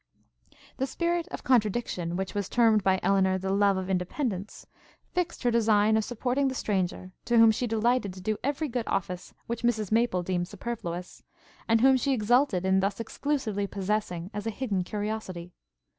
The spirit of contradiction, which was termed by Elinor the love of independence, fixed her design of supporting the stranger, to whom she delighted to do every good office which Mrs Maple deemed superfluous, and whom she exulted in thus exclusively possessing, as a hidden curiosity.